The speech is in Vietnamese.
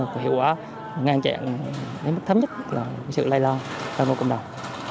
có hiệu quả ngăn chặn đến mức thấm nhất sự lay lo trong cộng đồng